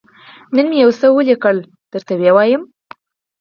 _نن مې يو څه ولېکل، درته وبه يې لولم.